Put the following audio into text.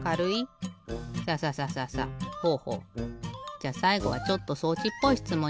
じゃさいごはちょっと装置っぽいしつもん